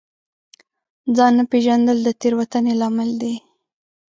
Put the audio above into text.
ځان نه پېژندل د تېروتنې لامل دی.